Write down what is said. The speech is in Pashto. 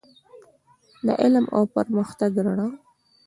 د علم او پرمختګ رڼا.